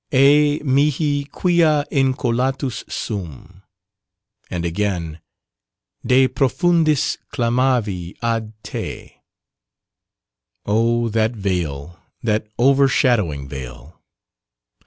"Hei mihi quia incolatus sum," and again "De profundis clamavi ad te" oh, that veil, that overshadowing veil!